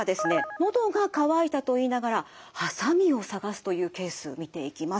のどが渇いたと言いながらハサミをさがすというケース見ていきます。